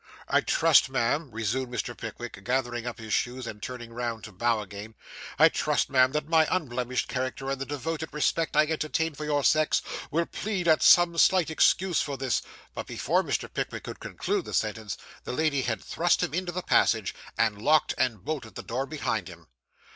'I trust, ma'am,' resumed Mr. Pickwick, gathering up his shoes, and turning round to bow again 'I trust, ma'am, that my unblemished character, and the devoted respect I entertain for your sex, will plead as some slight excuse for this ' But before Mr. Pickwick could conclude the sentence, the lady had thrust him into the passage, and locked and bolted the door behind him.